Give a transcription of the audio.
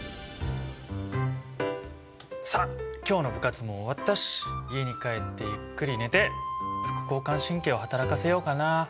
さあ今日の部活も終わったし家に帰ってゆっくり寝て副交感神経をはたらかせようかなあ。